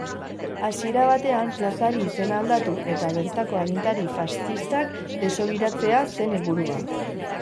Hasiera batean plazari izena aldatu eta bertako agintari faszistak deshobiratzea zen helburua.